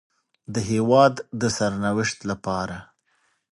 د هېواد د سرنوشت لپاره